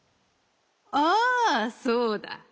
ああそうだ。